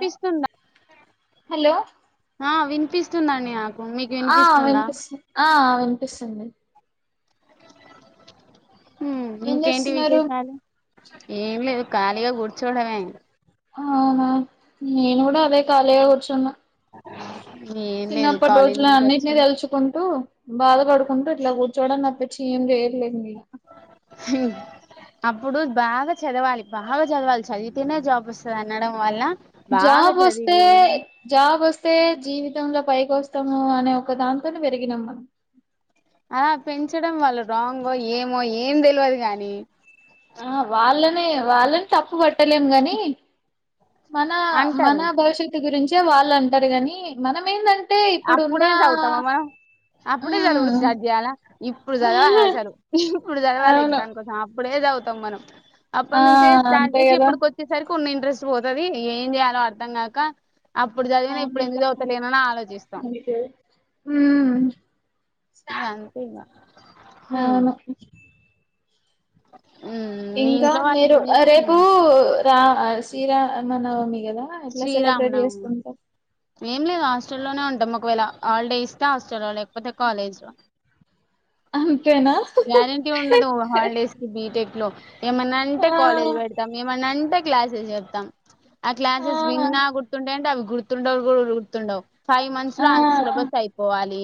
వినిపిస్తుందా హలో ఆ వినిపిస్తుందండి మీకు ఆ వినిపిస్తుందా వినిపిస్తు ఆ వినిపిస్తుంది ఏం ఇంకేంటి చేస్తున్నారు విశేషాలు ఏం లేవు ఖాళీగా గు అవునా నేను కూడా అదే ఖాళీగా కూర్చన్న అ [unintelligible] చిన్నప్పటి రోజులు అన్నింటినీ తెలుచుకుంటూ బాధపడుకుంటూ ఇట్లా కూ చూడంన్నప్పచ్చి ఏంర్లేం హ అప్పుడు బాగా చదవాలి బాగా చదవాలి చదివితేనే జాబ్ వస్తుంది అనడం వల్ల జ బాగా బస్తతే చదివి జాబ్స్తతే జీవితంంలో పైకి వస్తాము అనే ఒక దాంతో పెరిగినాం మన ఆ పెంచడం వాళ్ళు రాంగో ఏమో ఏం తెలియదు కాగాని ఆ వాళ్ళనే వాళ్ళని తప్పు పట్టలేం గాని మన మన అంటారు భవిష్యత్ గురించే వాళ్ళు అంటారు కాగాని మనం ఏందంటే ఇప్పుడున్న అప్పుడే చవుతా మమ్మా అప్పుడే చాలు ఇప్పుడు ఉమ్ స్టార్ట్ చేయాలా ఇప్పుడు చదవాలా సార్ ఇప్పుడు చదవాలి అవును ఎ్జాన్ కోసం ఇప్పుడేదివుతాం మనం ఆ అప్పటి నుంచే స్టార్ట్ అంతే చేసి కదా ఇప్పుడుకి వచ్చేసరి కొన్ని ఇంట్రెస్ట్ పోతుది ఏం చేయాలో అర్థం కాక అప్పుడు చదివిన ఇప్పుడు ఎందు చదువుతలేనని ఆలోచిస్తే అ అద అంత ఇవ హ అవును మీ ఇంకా ఇంట్లో వాళ్ళు మీరు ఏం రేపు చేస్తున్నారు రా శీరామనవమి కదా ఎట్లా సెలబ్రేట్ శ్రీరామనవమి చేసుకుంటారు ఏం లేదు హాస్టల్లోనే ఉంటాము ఒకవేళ హాలిడే ఇస్తే హాస్టల్లో లేకపోతే కాలేజీలో అ గ్యారంటీ ఉండదు హాలిడేస్ కి బిటెక్ లో ఆ ఏమన్నాంటే కాలేజ్ పెడతాం ఏమన్నాంటే క్లాసెస్ చెడతాం ఆ క్లాసస్ విన్ ఆగా గుర్తుండేంట అవి గుర్తుండవు కూడా గుర్తుండావు ఫైవ్ మంత్స్ ఆ లో అంత సిలబస్ అయిపోవాలి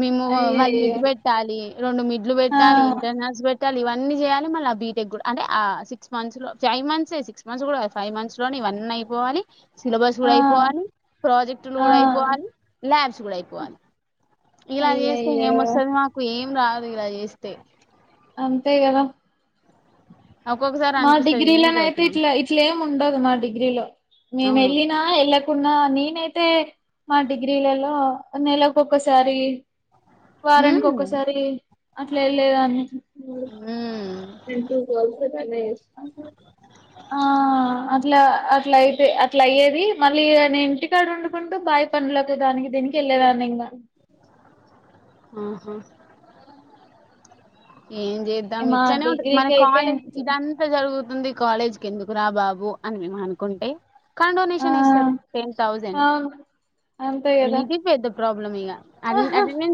మేము వాళ్ళు అయ్యయ్యో మిడ్ పెట్టాలి రెండు మిడ్ ఆ పెట్టాలి ఇంటర్నల్స్ పెట్టాలి ఇవన్న చేయాలి మళ్ళ ఆ బీటెక్ కూడా అంటే ఆ సిక్స్ మంత్స్ లో ఫైవ్ మంత్స్ సిక్స్ మంత్స్ కూడా ఫైవ్ మంత్స్ లోని వన్ అయిపోవాలి సిలబస్ ఆ కూడా అయిపోవాలి ప్రాజెక్టులు ఆ కూడా అయిపోవాలి ల్యాబ్స్ కూడా అయిపోవాలి ఇలా చేస్తే అయ్యయ్యో ఏంస్తుంది మాకు ఏం రాదు ఇలా చేస్తే అంతే గద అకు మా డిగ్రీలోన అయితే ఇట్లా ఇట్లం ఉండదు మా డిగ్రీలో మేము అవును వెళ్ళిన వెళ్ళ కున్న నేనైతే మా డిగ్రీలలో నెలలకుక్కసారి వారానికి హ్మ్ ఒక్కసారి అట్లా లేదన్ని హ్మ్ ఎంటూ కొల్సనే ఆ అట్లా అట్లా అయితే అట్లా అయ్యేది మళ్ళీ నేను ఇంటికాడు వండుకుంటూ బా పంలకు దానికి దీనికి వెళ్ళలేదాన్ని ఇంకా ఆఓహా ఏం చేద్దాం మా ఇట్లనే ఉంట మన డిగ్రీకి అయితే కాలేజ్ ఇదంతా జరుగు ది కాలేజ్ క ఎందుకు రా బాబు అని మేము అనుకుంటే కన్ ఆ డొనేషన్ ఇ సార్ టెన్ థౌసండ్ అవును అంతే కదా ఇది పెద్ద ప్రాబ్లం ఇక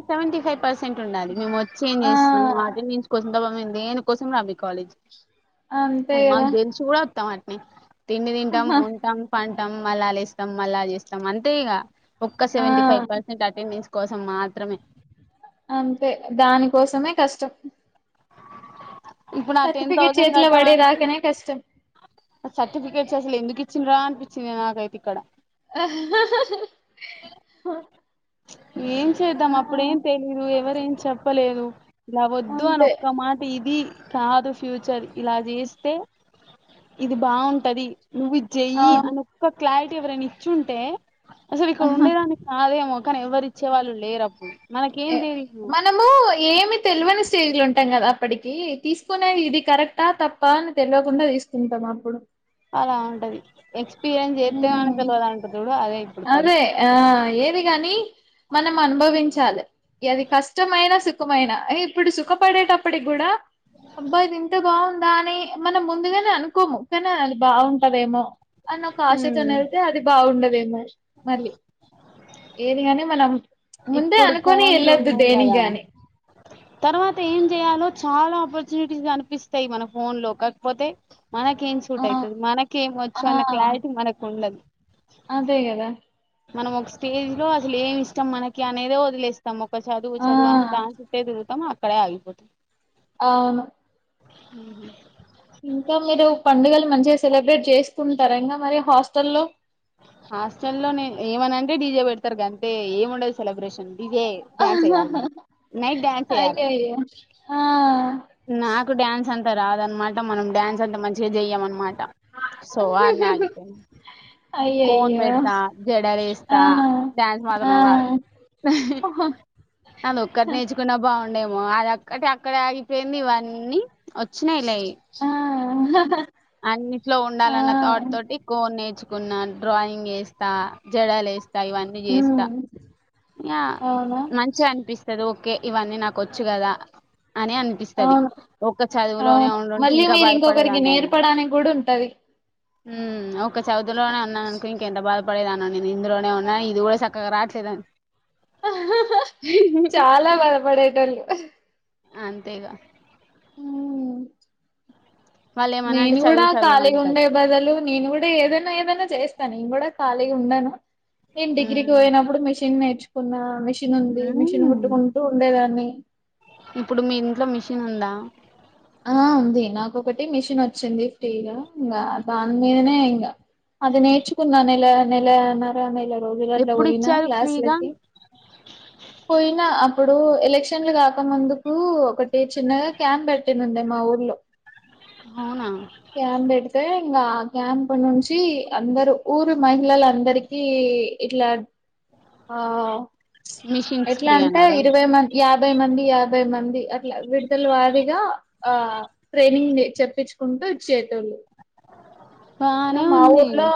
సెవె ఫైవ్ పర్సెంట్ ఉండాలి మేము వచ్చి ఏం చేస్తున్నాం ఆ కోసబంది నేను కోసం రాబ కాలేజ్ అంతే అ కదా మాకు తెలిసు కూడా వస్తాం అట్ని తిండి తింటాం ఉంటాం పంటాం మళ్ళా లేస్తాం మళ్ళా చేస్తాం అంతే ఇక ఒక్క ఆ సెంటీ ఫైర్సెం అటెండెన్స్ కోసం మాత్రమే అంతే దానికోసమే కష్టం ఇప్పుడు ఆ టెన్ సర్టిఫికెట్ థౌజండ్ చేతిలో పడే కట్టామంటే దాకనే కష్టం సర్టిఫికేట్స్ అసలు ఎందుకు ఇచ్చిన్రా అనిపించింది నాకైతే ఇక్కడ ఆ ఏం చేద్దాం అప్పుడేం తెలీదు ఎవర ఏం చెప్పలేదు ఇలా వద్దు అని అంతే ఒక్క మాట ఇది కాదు ఫ్యూచర్ ఇలా చేస్తే ఇది బాగుంటది. నువ్వు ఇది చేయి అవును అని, ఒక క్లారిటీ ఎవరైనా ఇచ్చి ఉంటే అసలు ఇక్కడ ఉండేదాని కాదేమో, కానీ ఎవరు ఇచ్చేవాళ మనము ఏమి తెలివని స్టేజ్ లో ఉంటా ఉంటాం కదా అప్పటికి తీసుకునేది ఇది కరెక్టా తప్ప అని తెలియకుండా తీసుకుంటాం అప్పుడు, అలా ఉంటది ఎక్స్పీరియన్స్ చేస్తతే కాని ఉమ్ తెలవదంట్రూ చూడు అదే ఇప్పుడు అదే పరిస్థితి ఆ ఏది కాని మనం అనుభవించాలి అది కష్టమైన సు సుఖమైన ఇప్పుడు సుఖపడేటప్పటికి కూడా అబ్బా ఇది ఇంత బాగుంది. దాని మనం ముందుగానే అనుకోము కానీ అది బాగుంటదేమో, ఆశతోనే హ్మ్ వెళ్తే అది బాగుండదేమో మళ్ళీ ఏదిగాని మనం ముందే ఇప్పుడు అనుకోని ఫోన్లు వెళ్ళొద్దు ఉన్నాయి కదా దేనికిగాని తర్వాత ఏం చేయాలో చాలా ఆపర్చునిటీస్ కనిపిస్తాయి. మన ఫోన్ లో కాకపోతే మనకేం ఆ సూట్ అయితది, ఆ మనకేమొచ్చు అన్న క్లారిటీ మనకు ఉండదు. అదే కదా మనం ఒక స్టేజ్ లో అసలు ఏమి ఇష్టం మనకి అనేదే వదిలేస్తాం, చదువు ఆ చదువు అన్ని దాని చుట్టే తిరుగుతాం అక్కడే ఆగిపోతాం, అవును [unintelligible] ఇంకా మీరు పండుగలు మంచిగా సెలబ్రేట్ చేసుకుంటార, ఇంకా మరి హాస్టల్లో హాస్టల్ల్లో ఏమనంటే డీజే పెడతారు గంతే ఏమిండే సెలబ్రేషన్ డిజే డ్యాన్స్ ఏయాలి నైట్ డ్యాన్స్ ఏయాలే, అయ్యయ్యో ఆ నాకు డ్యాన్స్ అంతా రాదనమాట మనం డ్యాన్స్ అంతా మంచిగా చెయ్యమ అన్నమాట, ట సో అనే ఆగిపోయినం కోన్ అయ్యయ్యో పెడతా ఆ జడవేస్తా డ్యాన్స్ ఆ మాత్రం రాదు, అది ఒక్కటి నేర్చుకున్నా బాగు ఉండేమో అది అక్కటి అక్కడ ఆగిపోయింది ఇవన్నీ వచ్చినాయిలే, ఆ అన్నిట్లో ఆ ఉండాలన్న తథట్ తోటి కోన్ నేర్చుకో న్న డ్రాయింగ్ వేస్తా, జడలు వేస్తా, ఇవన్నీ చేస్తా, హ్మ్ ఇగా అవునా మంచిగా అనిపిస్తంది ఓకే ఇవన్నీ నాకొచ్చు కదా, అని అనిపిస్తది అవును ఒక్క చదువులోనే అవును ఉండింటే మళ్ళీ ఇంకా మీరు ఇంకొకరికి బాధపడేదాన్ని ఏమో నేర్పడానికి కూడా ఉంటది ఉ ఒక చదువు లోనే ఉన్నానుకో ఇంకెంత బాదా బాధపడేదానో నేను ఇందులోనే ఉన్నా ఇది కూడా చక్కగా రావట్లేదని చాలా బాధపడేటోళ్ళు, అంతేగా ఊ వాళ్ళు ఏమన్నా అంటే నేను కూడా చదువు చదువు ఖాళీ అంటారు ఉండే బదులు నేను కూడా ఏదైనా ఏదైనా చేస్తా నేను కూడా ఖాళీ ఉండను నేను డిగ్రీకి ఉమ్ పోయినప్పుడు మిషన్ నేర్చుకున్నా, మిషన్ మిషన్ ఉంది మిషిన్ ఉమ్ కుట్టుకుంటూ ఉండేదాన్ని మిషిన్ ఉందా ఆ ఉంది నాకొకటి మిషిన్ వచ్చింది ఫ్రీగా ఇంకా దాని మీదనే ఇంకా అది నేర్చుకున్న నెల నెల నర నెల రోజు గంట ఎప్పుడు పోయిన ఇచ్చారు ఫ్రీగా క్లాస్కి పోయినా అప్పుడు ఎలక్షన్లు కాక ముందుకు ఒకటి చిన్నగా క్యాంప్ పెట్టిందిండే, మా ఊర్లో అవునా క్యాంప్ పెడితే ఇంకా క్యాంప్ నుంచి అందరు ఊరు మహిళల అందరికి ఇట్లా ఆ మిషన్స్ ఎట్లా ఫ్రీ అంటే అన్నారా ఇరవై మంది యాభై యాభై మంది యాభై మంది అట్లా విడుదల వారిగా ఆ ట్రైనింగ్ చెప్పించుకుంటూ ఇచ్చేటోళ్లు, ఇలా బానే ఉంది మాఊర్లో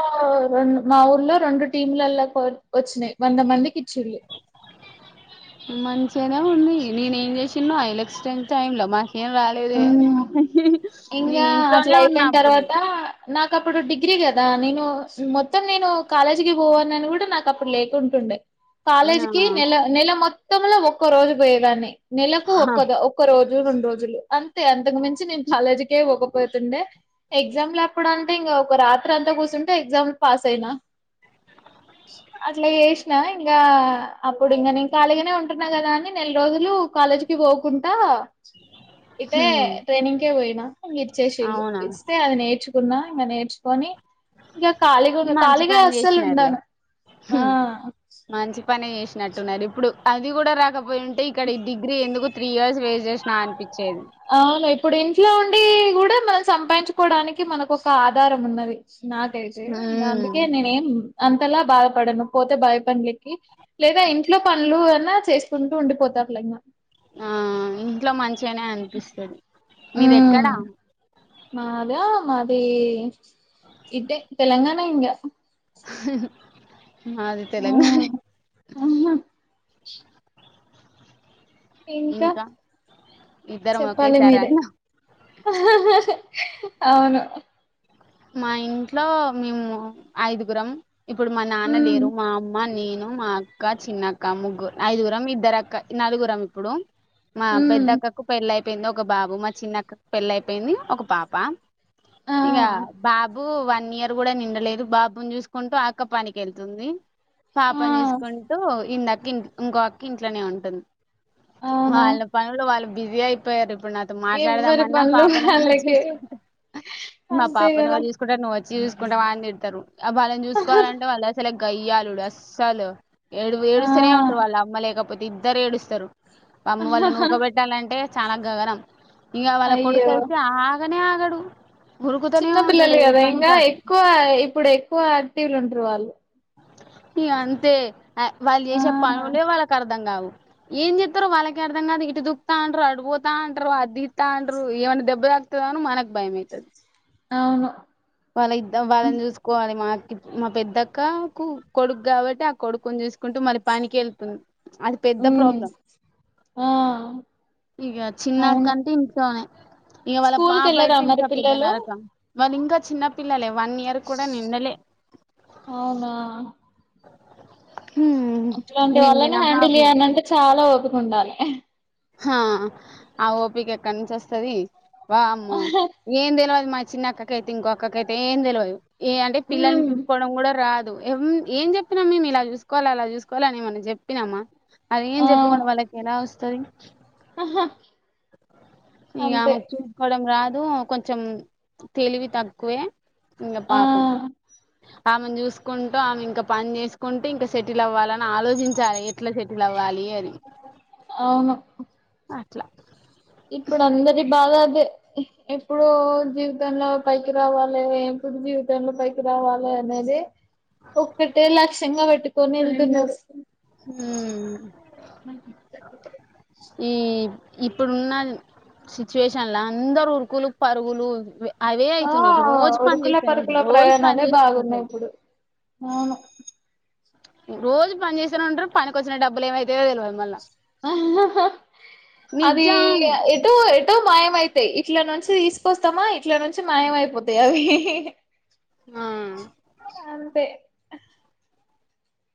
రెం మా ఊర్లో రెండు టీమ్ లాలకి వచ్చినాయి వంద మందికి, ఇచ్చిళ్ళు మంచేన్ చె చ్చిన్ను ఐలక్స్టెంట్ టైమ్ లో మ ఏం రాలేదే ఉహుహు ఇంకా నేను అట్లా ఇంట్లోనే ఉన్నా అయిపోయిన అప్పుడు తర్వాత నాకు అప్పుడు డిగ్రీ కదా నేను మొత్తం నేను కాలేజీకి పోవ అని కూడా నాకు అప్పుడు లేకుంటుండే ఆ కాలేజీకిి నెల నెల మొత్తంలో ఒక్క రోజు పోయేదాన్ని నెలకు ఒక్క ద ఒక్క రోజు నువు రెండు రోజులు అంతే అంతకు మించి నేను కాలేజీకే పోకపోతుండే ఎగ్జామ్లు ఎప్పుడ అంటే ఇం ఒక రాత్రి అంతా ఇంట్లో కూసుంటే ఎగ్జామ్లు పాస్ అయినా అట్లా చేసినా ఇంకా అప్పుడు ఇంకా నేను కాళీగానే ఉంటున్నా కదా అని నెల రోజులు కాలేజ్ కి పోకుండా ఇదే ట్రైనింగ్కే పోయినా ఇంక ఇచ్చేసిరు అవునా ఇస్తే అది నేర్చుకున్నా ఇంక నేర్చుకొని ఇంకా కాళిగా ఉండన్ మంచి కాళిగా పని అసలు చేసినారులే ఉండను ఆ పని చేసినట్టున్నారు ఇప్పుడు అది కూడా రాకపోయి ఉంటే ఇక్కడ ఈ డిగ్రీ ఎందుకు త్రీ ఇయర్స్ వేయిట్ చేసిన అన్పి ఆ అవును ఇప్పుడు ఇంట్లో ఉండి కూడా మనం సంపాదించుకోవడానికి మనకు ఒక ఆధారం ఉన్నది. నాకు తెలిసింది ఉమ్, గందుకే నేనే ఏం అంతలా బాధపడను పోతే బాయ పనులకి, లేదా ఇంట్లో పనులు అన్న చేసుకుంటూ ఉండిపోత దాం లెంగ ఆ ఇంట్లో మంచిగా అనే అనిపిస్తది మీది ఎక్కడా? మాద మాది ఇదే తెలంగాణ ఇంగ అహెహి మాది ఆ తెలంగాణే ఆహా ఇంకా ఇద్దరం చెప్పాలి ఒకేసారి మీరే అన్నాం అహ్హ్హ్ అవును మా ఇంట్లో మేము ఐదుగురం ఇప్పుడు మా నాన్న ఉమ్ లేరు మా అమ్మ, నేను మా అక్క, చిన్నక్క ముగ్గురు ఐదుగురం ఇద్దరు అక్క నలుగురం ఇప్పుడు. మా ఉమ్ పెద్దక్కకు పెళ్ళ అయిపోయింది ఒక బాబు, మా చిన్నక్కకు పెళ్ళ అయిపోయింది ఒక పాప. ఆ ఇక బాబు వన్ ఇయర్ కూడా నిండలేదు. బాబుని చూసుకుంటూ అక్క పనికి వెళ్తుంది. ఆ పాపని చేసుకుంటూ ఇందక్క ఇంట్ ఇంకో అక్క ఇంట్లోనే ఉంటుంది. అవునా వాళ్ళ పనులు వాళ్ళు బిజీ అయిపోయారు. ఇప్పుడు నాతో ఎవ్వరి మాట్లాడదామన్నా పనులు పాపనే వాళ్ళు వాళ్ళకే చేసుకుంటా మా అంతే పాపని కదా ఎవరు చూసుకుంటారు నువ్వు వచ్చి చూసుకుంటవా అని తిడతారు. అ వాళ్ళని చూసుకోవాలంటే వాళ్ళ అస్సలె గయ్యాలుడు అస్సలు ఏడువు ఆ ఏడుస్తూనే ఉంటారు వాళ్ళు అమ్మ లేకపోతే ఇద్దరు ఏడుస్తారు. అమ్ము వాళ్ళు నూకబెట్టాలంటే చానా గగనం ఇగ వాళ్ళ అయ్యో కొడుకు అయితే ఆగనే ఆగడు. ఉరుకుతూనే చిన్న ఉంటాడు పిల్లలు కదా ఏటంటే ఇంకా అటు ఎక్కువ ఇప్పుడు ఎక్కువ యాక్టివ్లు ఉంటారు వాళ్ళు. ఇగ అంతే అ వాళ్ళ ఆ చేసే పనులె వాలా కర్ధ అర్ధం కావు ఏం చెప్తారు వాళ్ళకి అర్థం కాదు. ఇటు దుకుతా అంటరు, అటుపోతా అంటరు అ దితా అంటరు ఏ వానికి దెబ్బ తగులుతదేమో అని మనకు భయం అయితుంది. నవును వాళ్ళ ఇద్దం వాళ్ళని చూసుకోవాలి మా మా పెద్దక్కకు కొడుకు కాబట్టి ఆ కొడుకుని చూ చూసుకుంటూ మరి పనికి వెళ్తుంది. అది పెద్ద ఉమ్ ప్రాబ్లం ఆ ఇక అవును చిన్నక్కంటే ఇంట్లోనే. ఇగ వాళ్ళ స్కూల్ పాప కెళ్ళరా అయితే మరి ఇంకా పెద్ద పిల్లలు నరకం వాళ్లు ఇంకా చిన్న పిల్లలే వన్ ఇయర్ కూడా నిండలే అవునా అట్లాంటి వళ్లనే నిండిన హ్యాండిల్ బాబులు చేయనంటే చాలా ఓపికవుండాలి ఆ ఆ ఓపికి ఎక్కడి నుంచి వస్తుది బ అమ్మో ఏం తెల మా చిన్న అక్కకైతే ఇంకొక్కకైతే ఏం తెలియదు ఏ అంటే పిల్లల్ని ఉమ్ చూసుకోవడం కూడా రాదు ఏం చెప్పినామ మేము ఇలా చూసుకోవాలి అలా చూసుకోవాల అని మం చెప్పినామా అది ఏం ఆ చెప్పకుండా వాళ్ళకి ఎలా వస్తుంది ఆహ ఇక ఆమెకు చూసుకోవడం రాదు కొంచెం తెలివి తక్కువే ఇకా ఆ పాపం ఆమెను చూసుకుంటూ ఆమె ఇంకా పని చేసుకుంటూ ఇంకా సెటిల్ అవ్వాలని ఆలోచించాలి ఎట్లా సెటిల్ అవ్వాలి అని అవును అట్లా ఇప్పుడు అందరి బాదా అదే ఎప్పుడో జీవితంలో పైకి రావాలి ఎప్పుడు జీవితంలో పైకి రావాలి అనేది ఒక్కటే లక్షంగా పెట్టుకొని వెళ్తున్నారు హ్మ్మ్ హ్మ్ ఇప్పుడున్న సిచ్యుయేషన్ లో అందరు ఉరుకులు పరుగులు అవే ఆ అవుతుందియి రోజు పని ఉరుకుల పరుకుల చేస్తానంటారు రోజు పని చేస్తానంటారు ఆవును రోజు పని చేస్తానే ఉంటారు పనికి వచ్చిన డబ్బులు ఏమతాయో తెలిదు మల్ల అది నిజం ఎటో ఏంటో మాయమైతాయి ఇట్ల నుంచి తీసుకొస్తామా ఇట్ల నుంచి మాయ అయిపోతాయి అవి ఆ అంతే